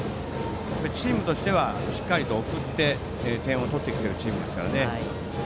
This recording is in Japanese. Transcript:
チームとしては、しっかり送って点を取ってきているチームですからね。